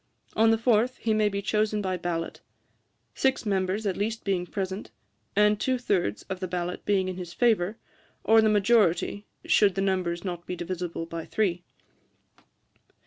On the fourth he may be chosen by ballot; six members at least being present, and two thirds of the ballot being in his favour; or the majority, should the numbers not be divisible by three.